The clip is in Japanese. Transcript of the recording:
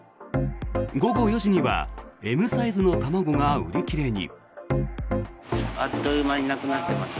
午後４時にはＭサイズの卵が売り切れに。